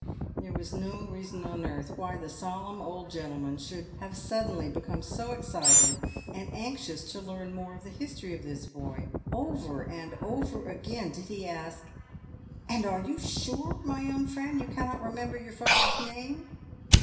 There was no reason on earth why the solemn old gentleman should have suddenly become so excited, and anxious to learn more of the history of this boy. Over and over again did he ask, " And are you sure, my young friend, you cannot remember your father's name